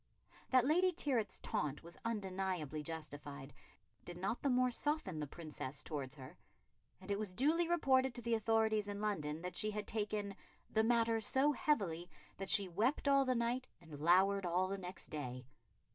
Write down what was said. That Lady Tyrwhitt's taunt was undeniably justified did not the more soften the Princess towards her, and it was duly reported to the authorities in London that she had taken "the matter so heavily that she wept all that night and lowered all the next day....